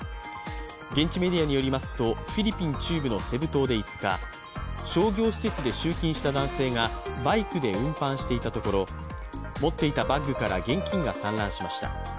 現地メディアによりますとフィリピン中部のセブ島で５日、商業施設で集金した男性がバイクで運搬していたところ持っていたバッグから現金が散乱しました。